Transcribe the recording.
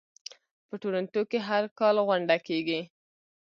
په تورنټو کې هر کال غونډه کیږي.